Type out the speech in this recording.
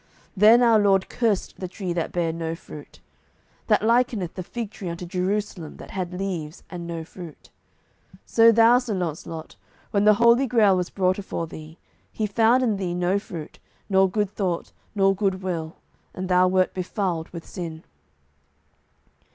Then our Lord cursed the tree that bare no fruit; that likeneth the fig tree unto Jerusalem, that had leaves and no fruit. So thou, Sir Launcelot, when the Holy Grail was brought afore thee, He found in thee no fruit, nor good thought, nor good will, and thou wert befouled with sin."